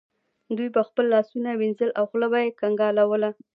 دوی به خپل لاسونه وینځل او خوله به یې کنګالوله.